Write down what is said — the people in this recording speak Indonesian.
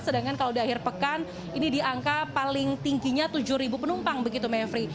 sedangkan kalau di akhir pekan ini di angka paling tingginya tujuh penumpang begitu mevri